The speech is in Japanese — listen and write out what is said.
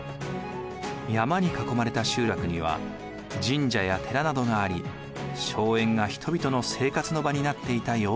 山に囲まれた集落には神社や寺などがあり荘園が人々の生活の場になっていた様子が分かります。